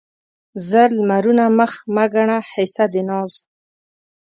زر لمرونه مه ګڼه حصه د ناز